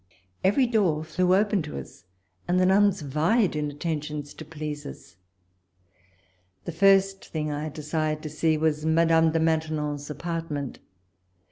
Every door flew open to us : and the nuns vied in attentions to please us. The first thing I desired to see was Madame de Maintenon's apartment.